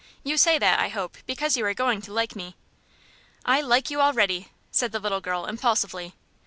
"You say that, I hope, because you are going to like me." "I like you already," said the little girl, impulsively.